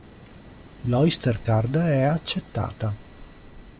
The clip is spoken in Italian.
L'Oyster Card è accettata.